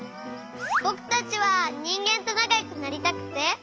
ぼくたちはにんげんとなかよくなりたくて。